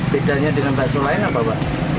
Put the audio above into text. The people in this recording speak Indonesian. bezanya dengan bakso lain apa mbak